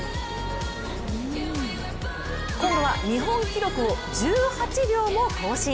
今度は日本記録を１８秒も更新。